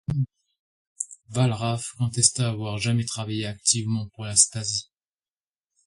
Wallraff contesta avoir jamais travaillé activement pour la Stasi.